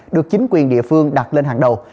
được chính quyền địa phương đặt lên hàng đầu